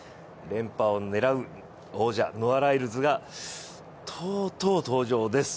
連覇を狙う王者ノア・ライルズが、とうとう登場です。